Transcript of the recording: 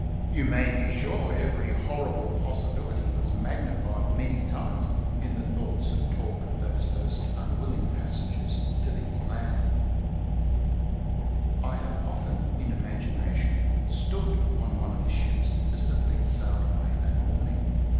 You may be sure every horrible possibility was magnified many times in 478 THE FIRST AUSTRALIAN COLONISTS the thoughts and talk of those first unwilling passengers to these lands. I have often, in imagination, stood on one of the ships as the fleet sailed away that morning.